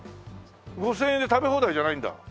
５０００円で食べ放題じゃないんだ。